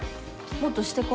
もっとしてこ。